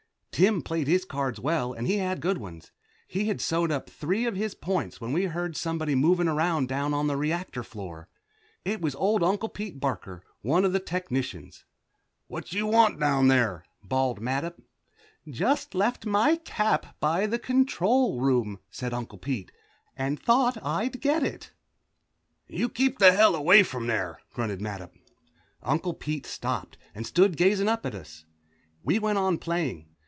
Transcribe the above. Tim played his cards well and he had good ones. He had sewed up three of his points when we heard somebody moving around down on the reactor floor. It was old Uncle Pete Barker, one of the technicians. "What you want down there?" bawled Mattup. "Just left my cap by the control room," said Uncle Pete, "and thought I'd go get it." "You keep the hell away from there," grunted Mattup. Uncle Pete stopped and stood gazing up at us. We went on playing.